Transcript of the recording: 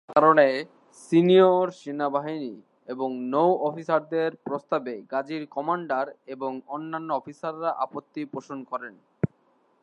যার কারণে সিনিয়র সেনাবাহিনী এবং নৌ-অফিসারদের প্রস্তাবে গাজীর কমান্ডার এবং অন্যান্য অফিসাররা আপত্তি পোষন করে।